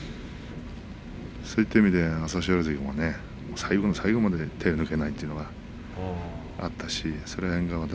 そういった意味で朝青龍関、最後の最後まで手が抜けないというのがありました。